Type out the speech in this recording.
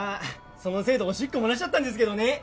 そのせいでおしっこ漏らしちゃったんですけどね